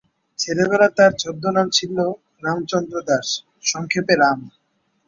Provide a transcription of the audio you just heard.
ছেলেবেলা তার ছদ্মনাম ছিল রামচন্দ্র দাস, সংক্ষেপে রাম।